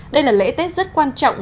đây là lễ tết rất quan trọng